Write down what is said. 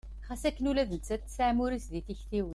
Ɣas akken ula d nettat tesɛa amur-is deg tiktiwin.